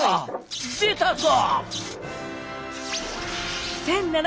出たぞ！